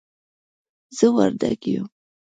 زه وردګ یم